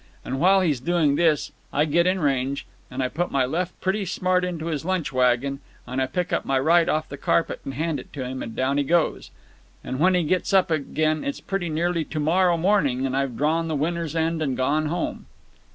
And while he's doing this I get in range and I put my left pretty smart into his lunch wagon and I pick up my right off the carpet and hand it to him, and down he goes. And when he gets up again it's pretty nearly to morrow morning and I've drawn the winner's end and gone home."